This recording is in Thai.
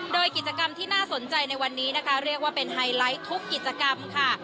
โดยกิจกรรมที่น่าสนใจในวันนี้นะคะเรียกว่าเป็นไฮไลท์ทุกกิจกรรมค่ะ